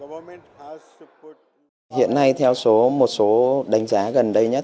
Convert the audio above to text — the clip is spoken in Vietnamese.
hiện nay theo một số đánh giá gần đây nhất